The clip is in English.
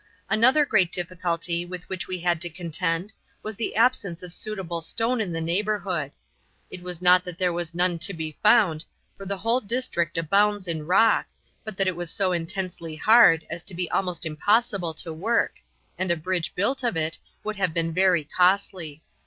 Another great difficulty with which we had to contend was the absence of suitable stone in the neighbourhood. It was not that there was none to be found, for the whole district abounds in rock, but that it was so intensely hard as to be almost impossible to work, and a bridge built of it would have been very costly.